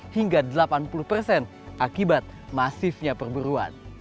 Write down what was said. hingga delapan puluh persen akibat masifnya perburuan